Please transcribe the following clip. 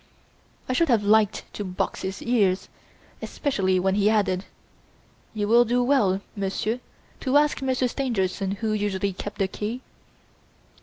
I should have liked to box his ears, especially when he added: "You will do well, Monsieur, to ask Monsieur Stangerson who usually kept that key?"